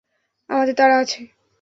আমাদের তাড়া আছে।